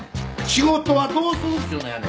仕事はどうするっちゅうのやね。